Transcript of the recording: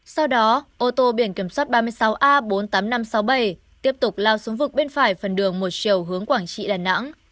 sau đó ô tô biển kiểm soát ba mươi sáu a bốn mươi tám nghìn năm trăm sáu mươi bảy tiếp tục lao xuống vực bên phải phần đường một chiều hướng quảng trị đà nẵng